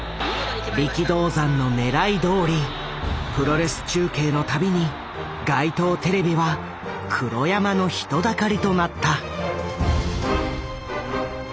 力道山のねらいどおりプロレス中継の度に街頭テレビは黒山の人だかりとなった。